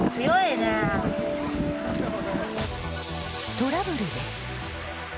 トラブルです。